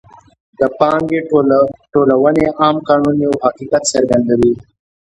د پانګې ټولونې عام قانون یو حقیقت څرګندوي